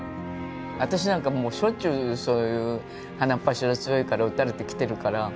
私なんかもうしょっちゅうそういう鼻っ柱強いから打たれてきてるから。